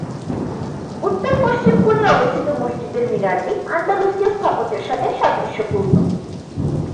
উত্তর-পশ্চিম কোণে অবস্থিত মসজিদের মিনারটি আন্দালুসীয় স্থাপত্যের সাথে সাদৃশ্যপূর্ণ।